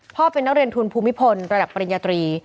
เป็นนักเรียนทุนภูมิพลระดับปริญญาตรี